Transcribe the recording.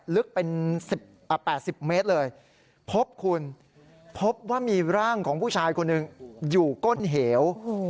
ลึกเป็น๘๐เมตรเลยพบคุณพบว่ามีร่างของผู้ชายคนหนึ่งอยู่ก้นเหว